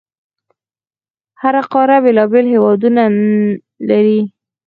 هره قاره بېلابېل هیوادونه لري.